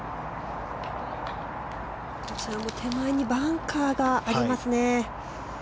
手前にバンカーがありますね。